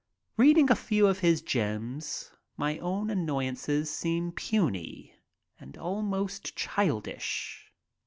Reading a few of his gems, my own annoyances seem puny and almost childish.